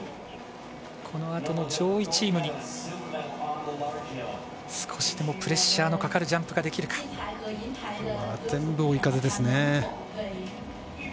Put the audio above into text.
このあとの上位チームに少しでもプレッシャーのかかる全部、追い風ですね。